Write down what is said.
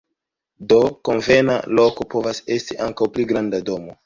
Do, konvena loko povas esti ankaŭ pli granda domo.